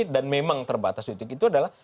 dan memang terbatas itu adalah